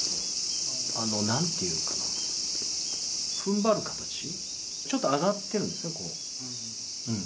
なんというかな、ふんばる形、ちょっと上がってるんですね。